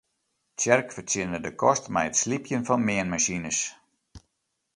Tsjerk fertsjinne de kost mei it slypjen fan meanmasines.